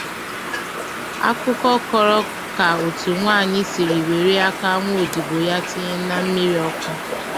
Akụkọ kọrọ ka otu nwanyị siri were aka nwaodibo ya tinye na mmiri ọkụ